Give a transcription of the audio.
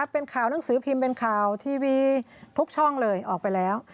เป็นข่าวหนังสือพิมพ์เป็นข่าวทีวีทุกช่องเลยออกไปแล้ว